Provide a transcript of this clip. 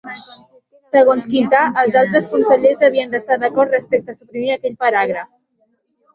Segons Quintà, els altres consellers havien d'estar d'acord respecte a suprimir aquell paràgraf.